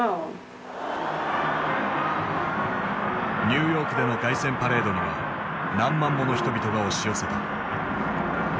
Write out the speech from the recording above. ニューヨークでの凱旋パレードには何万もの人々が押し寄せた。